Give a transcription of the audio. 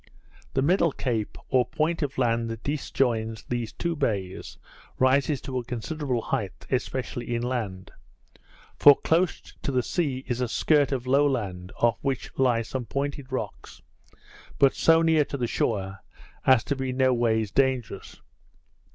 The middle cape, or point of land that disjoins these two bays, rises to a considerable height, especially inland; for close to the sea is a skirt of low land, off which lie some pointed rocks, but so near to the shore as to be noways dangerous.